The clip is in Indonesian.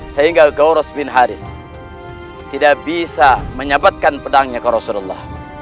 sehingga ghawras bin harith tidak bisa menyelamatkan pedangnya ke rasulullah